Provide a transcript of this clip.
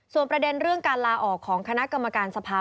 ส่วนประเด็นเรื่องการลาออกของคณะกรรมการสภา